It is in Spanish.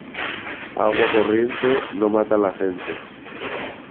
Agua corriente no mata a la gente.